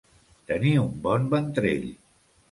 Tenir un bon ventrell.